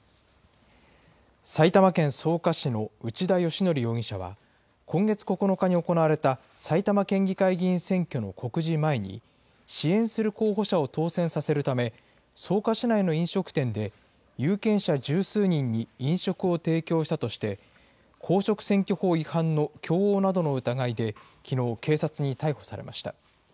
埼玉県草加市の内田佳伯容疑者は、今月９日に行われた埼玉県議会議員選挙の告示前に、支援する候補者を当選させるため、草加市内の飲食店で、有権者十数人に飲食を提供したとして、公職選挙法違反の供応などの疑いで、きのう、警察に逮捕されました。